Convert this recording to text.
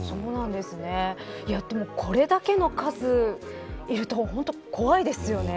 でも、これだけの数いると怖いですよね。